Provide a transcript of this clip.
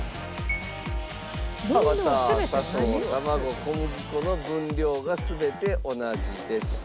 バター砂糖卵小麦粉の分量が全て同じです。